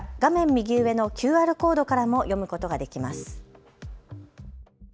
右上のＱＲコードからも読むことができます。